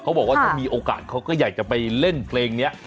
บอกว่าถ้ามีโอกาสเขาก็อยากจะไปเล่นเพลงนี้